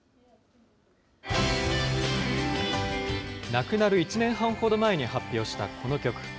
亡くなる１年半ほど前に発表したこの曲。